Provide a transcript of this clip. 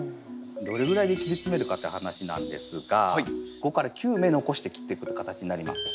どれぐらいで切り詰めるかって話なんですが５から９芽残して切っていく形になります。